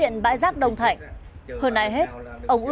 ngay cả các loại ni lông